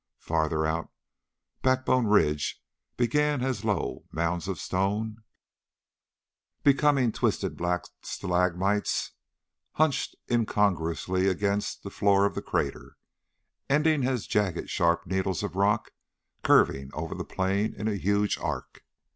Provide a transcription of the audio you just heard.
Farther out Backbone Ridge began as low mounds of stone, becoming twisted black stalagmites hunched incongruously against the floor of the crater, ending as jagged sharp needles of rock curving over the plain in a huge arc.